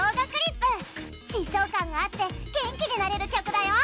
疾走感があって元気になれる曲だよ！